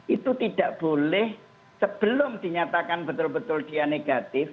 itu tidak boleh sebelum dinyatakan betul betul dia negatif